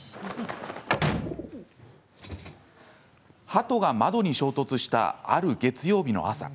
ハトが窓に衝突したある月曜日の朝。